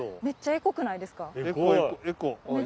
めっちゃエコくないですか？